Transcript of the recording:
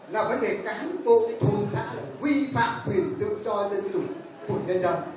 là vấn đề cán bộ thùng xã vi phạm quyền tự do dân chủ của dân dân